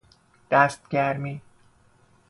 دست گرمی